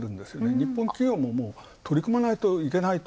日本企業も取り組まないといけない。